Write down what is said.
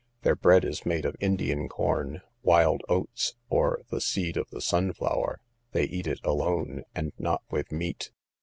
Their bread is made of Indian corn, wild oats, or the seed of the sun flower; they eat it alone, and not with meat.